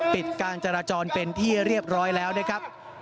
ปิดการจราจรเป็นที่เรียบร้อยแล้วนะครับ